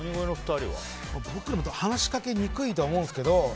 僕ら、話しかけにくいと思うんですけど。